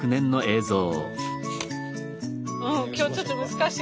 今日ちょっと難しい。